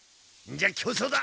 じゃ競争だ！